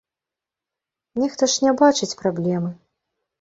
Нехта ж не бачыць праблемы.